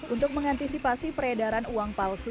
untuk mengantisipasi peredaran uang palsu